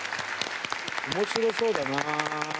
面白そうだな。